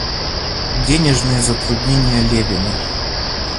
Денежные затруднения Левина.